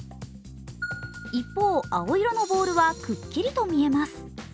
一方、青色のボールはくっきりと見えます。